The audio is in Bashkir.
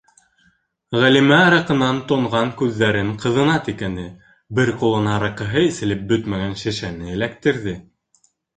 - Ғәлимә араҡынан тонған күҙҙәрен ҡыҙына текәне, бер ҡулына араҡыһы эселеп бөтмәгән шешәне эләктерҙе.